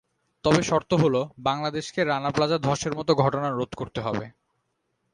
তবে শর্ত হলো, বাংলাদেশকে রানা প্লাজা ধসের মতো ঘটনা রোধ করতে হবে।